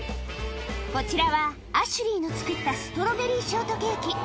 こちらはアシュリーの作ったストロベリーショートケーキ